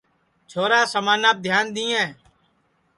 چھورا سمانپ دھیان دؔیئیں